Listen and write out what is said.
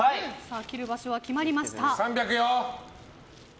切る場所は決まりました。